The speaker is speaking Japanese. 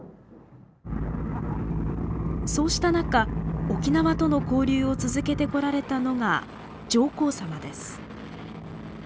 そうした中沖縄との交流を続けてこられたのが上皇さまです。